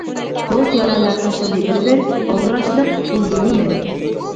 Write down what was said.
دوست-يارەنلەر تاشلىدى بىر-بىر، «ئالدىراش» لىق دۇلدۇلى مىنىپ.